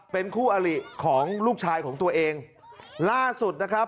เป็นคู่อลิของลูกชายของตัวเองล่าสุดนะครับ